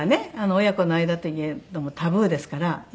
親子の間といえどもタブーですから言いませんけど。